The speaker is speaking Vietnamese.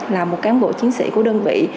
làm một cán bộ chiến sĩ của đơn vị